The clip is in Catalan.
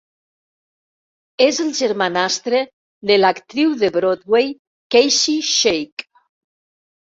Es el germanastre de l'actriu de Broadway, Kacie Sheik.